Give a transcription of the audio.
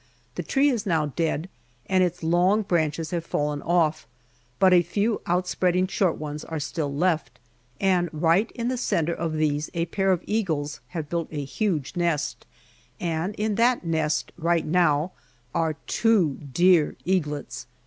The tree is now dead and its long branches have fallen off, but a few outspreading short ones are still left, and right in the center of these a pair of eagles have built a huge nest, and in that nest, right now, are two dear eaglets!